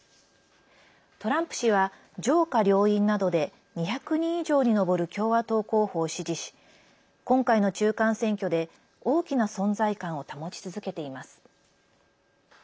トランプ氏は上下両院などで２００人以上に上る共和党候補を支持し今回の中間選挙で大きな存在感を保ち続けています。